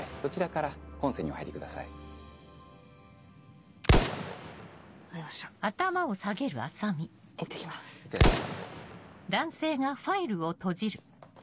いってらっしゃいませ。